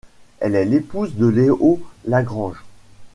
Elle est l'épouse de Léo Lagrange.